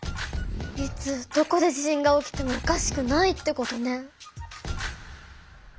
いつどこで地震が起きてもおかしくないってことね。